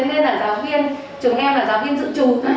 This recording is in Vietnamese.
thế nên là giáo viên chúng em là giáo viên dự trù